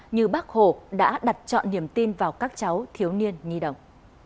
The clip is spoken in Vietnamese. như bác hồ đã đặt chọn niềm tin vào các cháu thiếu niên nhi đồng